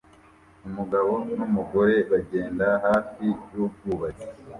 Umugabo numugore bagenda hafi yubwubatsi